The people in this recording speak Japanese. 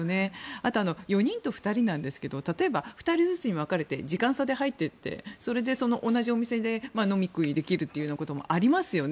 あと４人と２人ですが例えば２人ずつに分かれて時間差で入っていって同じお店で飲み食いできるということもありますよね。